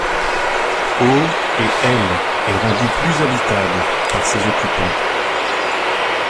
Au et elle est rendue plus habitable par ses occupants.